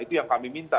itu yang kami minta